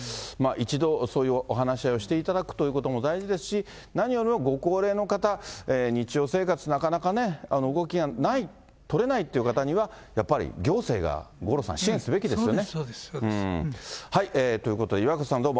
一度、そういうお話し合いをしていただくということも大事ですし、何よりもご高齢の方、日常生活なかなかね、動きがない、取れないという方には、やっぱり行政が五郎さん、支援すべきですよね。